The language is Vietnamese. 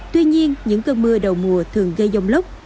tuy nhiên những cơn mưa đầu mùa thường gây dông lốc